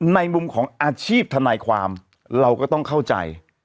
ในมุมของอาชีพทนายความเราก็ต้องเข้าใจ